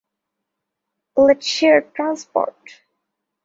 Let's share transport.